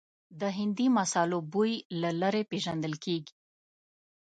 د هندي مسالو بوی له لرې پېژندل کېږي.